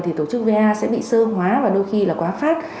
thì tổ chức va sẽ bị sơ hóa và đôi khi là quá phách